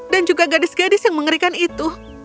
dan juga gadis gadis yang mengerikan itu